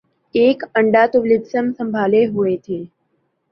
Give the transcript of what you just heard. ایک اینڈ تو ولیمسن سنبھالے ہوئے تھے